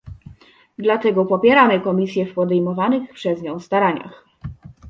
Dlatego popieramy Komisję w podejmowanych przez nią staraniach